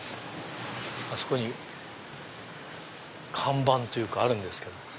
あそこに看板というかあるんですけど。